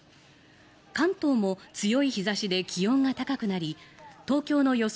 関東も強い日差しで気温が高くなり東京の予想